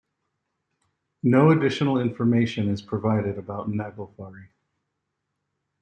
No additional information is provided about Naglfari.